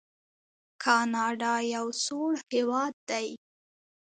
کاناډا یو سوړ هیواد دی.